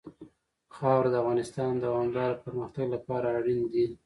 خاوره د افغانستان د دوامداره پرمختګ لپاره اړین دي.